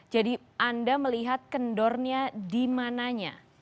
jadi anda melihat kendornya di mananya